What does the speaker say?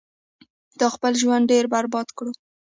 تا خپل ژوند ډیر برباد کړو